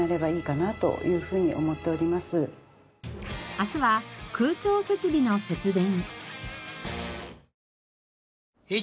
明日は空調設備の節電。